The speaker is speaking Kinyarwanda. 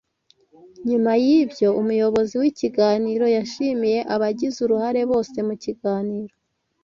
Nyuma y’ibyo umuyobozi w’ikiganiro yashimiye abagize uruhare bose mu kiganiro